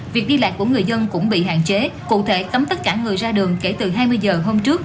việc đi lại của người dân cũng bị hạn chế cụ thể cấm tất cả người ra đường kể từ hai mươi giờ hôm trước